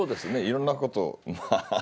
いろんなことまあ。